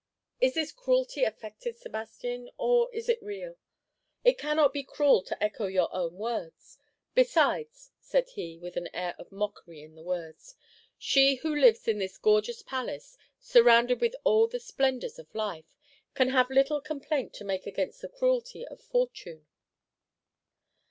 "Is this cruelty affected, Sebastian, or is it real?" "It cannot be cruel to echo your own words. Besides," said he, with an air of mockery in the words, "she who lives in this gorgeous palace, surrounded with all the splendors of life, can have little complaint to make against the cruelty of fortune!"